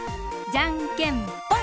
じゃんけんぽん！